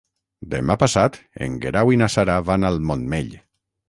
Demà passat en Guerau i na Sara van al Montmell.